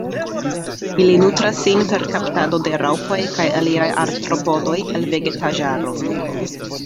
Ili nutras sin per kaptado de raŭpoj kaj aliaj artropodoj el vegetaĵaro.